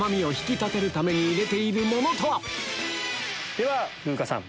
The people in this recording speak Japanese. では風花さん